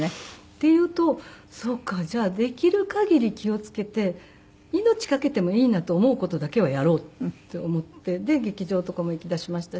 っていうとそっかじゃあできるかぎり気を付けて命懸けてもいいなと思う事だけはやろうって思ってで劇場とかも行きだしましたし。